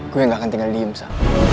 gue gak akan tinggal diem sa